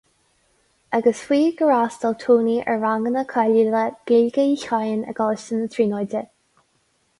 Agus faoi gur fhreastail Tony ar ranganna cáiliúla Gaeilge Uí Chadhain i gColáiste na Tríonóide.